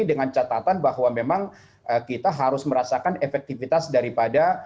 dengan catatan bahwa memang kita harus merasakan efektivitas daripada